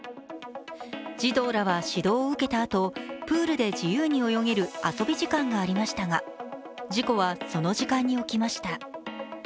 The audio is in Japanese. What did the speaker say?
児童らは指導を受けたあと、プールで自由に泳げる遊び時間がありましたが事故はその時間に起きました。